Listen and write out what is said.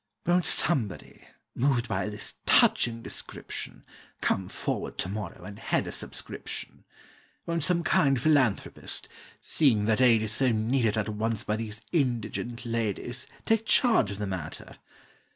Won't somebody, moved by this touching description, Come forward to morrow and head a subscription? Won't some kind philanthropist, seeing that aid is So needed at once by these indigent ladies, Take charge of the matter?